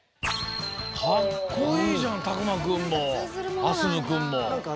かっこいいじゃんタクマくんもアスムくんも！